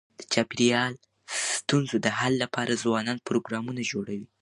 د چاپېریال ستونزو د حل لپاره ځوانان پروګرامونه جوړوي.